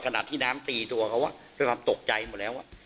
ขณะที่น้ำตีตัวเขาด้วยความตกใจหมดแล้ว